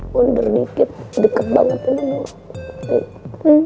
bundur dikit deket banget ini